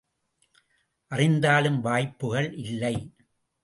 அறிந்தாலும் வாய்ப்புக்கள் இல்லை!